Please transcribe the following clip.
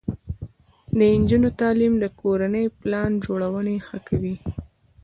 د نجونو تعلیم د کورنۍ پلان جوړونې ښه کوي.